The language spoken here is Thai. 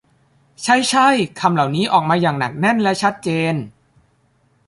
ใช่ ใช่ คำเหล่านี้ออกมาอย่างหนักแน่นและชัดเจน